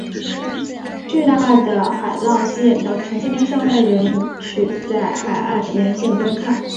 巨大的海浪吸引到成千上万人取在海岸沿线观看。